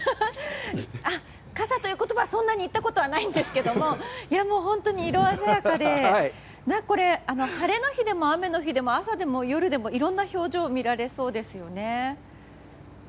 傘という言葉はそんなに言ったことはないんですが本当に色鮮やかで晴れの日でも、雨の日でも朝でも夜でも、いろんな表情が見られそうですよね。